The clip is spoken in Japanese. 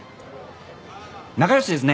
仲良しですね！